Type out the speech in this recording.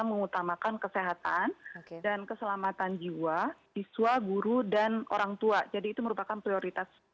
mengutamakan kesehatan dan keselamatan jiwa siswa guru dan orang tua jadi itu merupakan prioritas